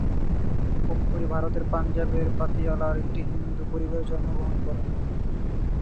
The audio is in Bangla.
ওম পুরি ভারতের পাঞ্জাবের পাতিয়ালার একটি হিন্দু পরিবারে জন্মগ্রহণ করেন।